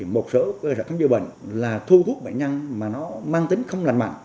một số cơ sở khám chữa bệnh là thu hút bệnh nhân mà nó mang tính không lành mạnh